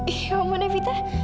iya om muda vita